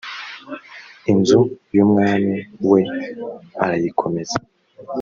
inzu y umwami we arayikomeza